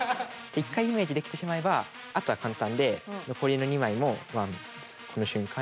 一回イメージできてしまえばあとは簡単で残りの２枚もワンツーこの瞬間に。